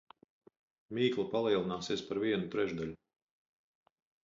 Mīkla palielināsies par vienu trešdaļu.